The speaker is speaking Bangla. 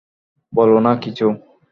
বলো না কিছু!